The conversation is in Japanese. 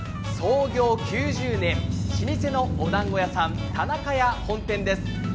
創業９０年、老舗のおだんご屋さん田中屋本店です。